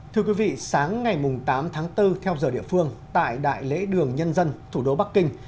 thưa quý vị sáng ngày tám tháng bốn theo giờ địa phương tại đại lễ đường nhân dân thủ đô bắc kinh